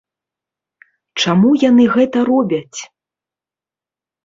Чаму яны гэта робяць?